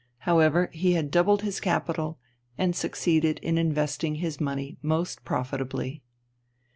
However, he had doubled his capital and succeeded in investing his money most profitably.